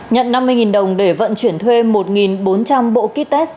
nhận năm mươi đồng để vận chuyển thuê một bốn trăm linh bộ kit test